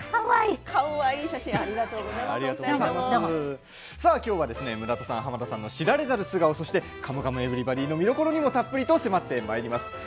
かわいい写真きょうは村田さん濱田さんの知られざる素顔そして「カムカムエヴリバディ」の見どころにもたっぷり迫ってまいります。